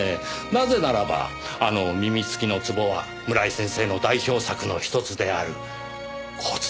なぜならばあの耳付きの壺は村井先生の代表作のひとつである骨壺ですからねぇ。